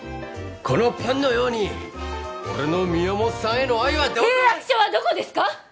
このパンのように俺の宮本さんへの愛は契約書はどこですか！